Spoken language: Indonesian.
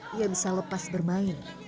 dia bisa lepas bermain